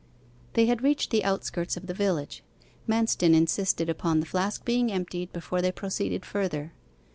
They had reached the outskirts of the village. Manston insisted upon the flask being emptied before they proceeded further.